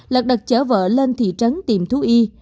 lật đật chở vợ lên thị trấn tìm thu y